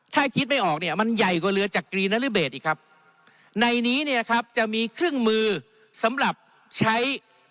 ถ้าคิดไม่ออกเนี่ยมันใหญ่กว่าเรือจักรีนรเบศอีกครับในนี้เนี่ยครับจะมีเครื่องมือสำหรับใช้